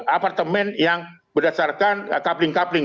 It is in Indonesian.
apartemen yang berdasarkan kapling kapling